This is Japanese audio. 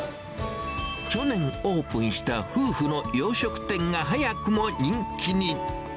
去年オープンした夫婦の洋食店が早くも人気に。